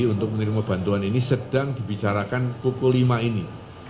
untuk menerima bantuan ini sedang dibicarakan pukul lima ini